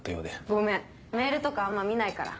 ごめんメールとかあんま見ないから。